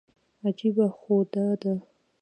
عجیبه خو دا ده.